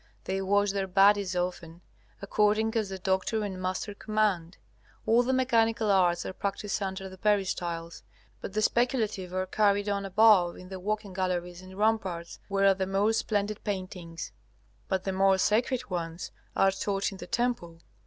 They wash their bodies often, according as the doctor and master command. All the mechanical arts are practised under the peristyles, but the speculative are carried on above in the walking galleries and ramparts where are the more splendid paintings, but the more sacred ones are taught in the temple.